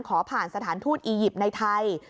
ขอผ่านสถานทูตอียิปต์ในไทย